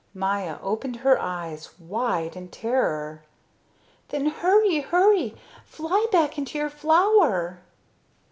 Maya opened her eyes wide in terror. "Then hurry, hurry! Fly back into your flower!"